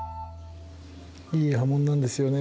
いい刃紋なんですよね。